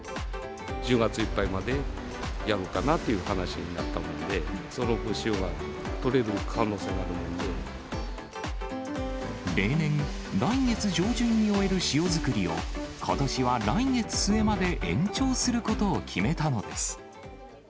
１０月いっぱいまでやろうかなという話になったもんで、その分、塩が取れる可能性がある例年、来月上旬に終える塩作りを、ことしは来月末まで延長することを決めたのです。